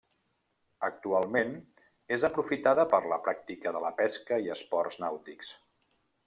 Actualment és aprofitada per la pràctica de la pesca i esports nàutics.